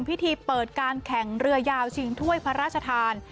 พิธีเปิดการแข่งเรือยาวชิงถ้วยพระราชทาน